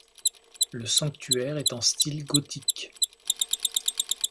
Le sanctuaire est en style gothique.